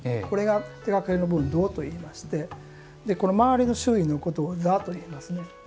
これが手がけの部分胴といいまして周りの周囲のことを座といいます。